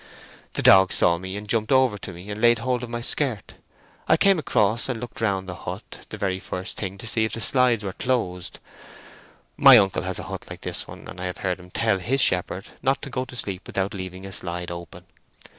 The dog saw me, and jumped over to me, and laid hold of my skirt. I came across and looked round the hut the very first thing to see if the slides were closed. My uncle has a hut like this one, and I have heard him tell his shepherd not to go to sleep without leaving a slide open.